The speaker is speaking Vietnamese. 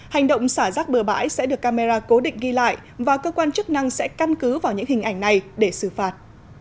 hành động xả rác bừa bãi sẽ được camera cố định ghi lại và cơ quan chức năng sẽ căn cứ vào những hình ảnh này để xử phạt